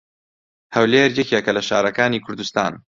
هەولێر یەکێکە لە شارەکانی کوردستان.